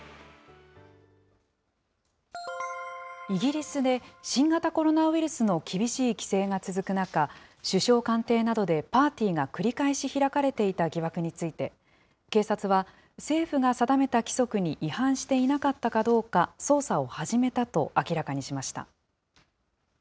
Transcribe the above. イギリスで、新型コロナウイルスの厳しい規制が続く中、首相官邸などでパーティーが繰り返し開かれていた疑惑について、警察は、政府が定めた規則に違反していなかったかどうか、捜査を始めたと明らかにしました。